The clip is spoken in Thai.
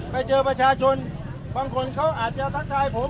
ไปเจอประชาชนบางคนเขาอาจจะทักทายผม